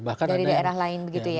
dari daerah lain begitu ya